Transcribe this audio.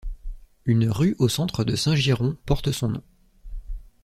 Une rue au centre de Saint-Girons porte son nom.